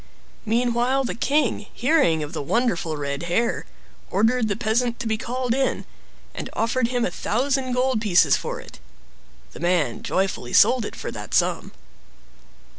Meanwhile the king, hearing of the wonderful red hair, ordered the peasant to be called in, and offered him a thousand gold pieces for it. The man joyfully sold it for that sum.